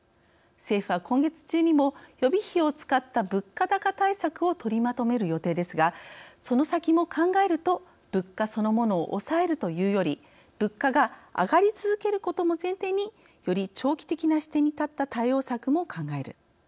政府は今月中にも予備費を使った物価高対策を取りまとめる予定ですがその先も考えると物価そのものを抑えるというより物価が上がり続けることも前提により長期的な視点にたった対応策も考える。